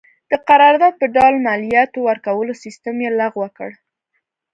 د قرارداد په ډول مالیاتو ورکولو سیستم یې لغوه کړ.